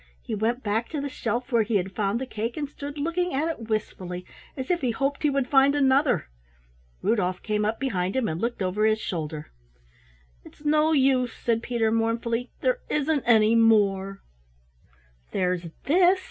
He went back to the shelf where he had found the cake and stood looking at it wistfully, as if he hoped he would find another. Rudolf came up behind him and looked over his shoulder. "It's no use," said Peter mournfully, "there isn't any more." "There's this!"